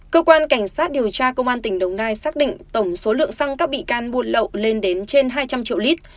cơ quan cảnh sát điều tra công an tỉnh đồng nai xác định tổng số lượng xăng các bị can buôn lậu lên đến trên hai trăm linh triệu lít